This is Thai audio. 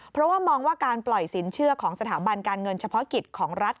เพราะว่ามองว่าการปล่อยสินเชื่อของสถาบันการเงินเฉพาะกิจของรัฐ